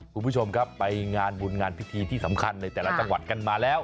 คุณผู้ชมครับไปงานบุญงานพิธีที่สำคัญในแต่ละจังหวัดกันมาแล้ว